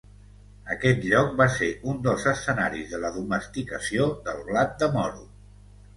Aquest lloc va ser un dels escenaris de la domesticació del blat de moro.